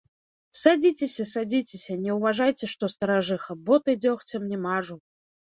Садзіцеся, садзіцеся, не ўважайце, што старажыха, боты дзёгцем не мажу.